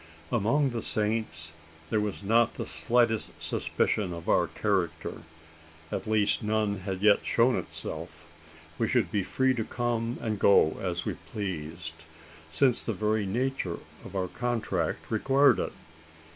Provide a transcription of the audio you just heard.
Among the Saints, there was not the slightest suspicion of our character at least none had yet shown itself. We should be free to come and go, as we pleased: since the very nature of our contract required it.